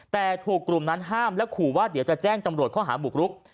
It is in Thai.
แต่ถูกกลุ่มนั้นห้ามและขู่ว่าเดี๋ยวจะแจ้งตำรวจข้อหาบุกรุก